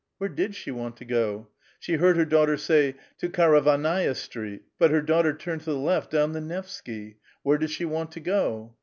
Where did she want to go? she heard her daughter say, ^'' To Karavannai'a Street" ; but her daughter turned to the left dowu the Nevsky. Where does she want to go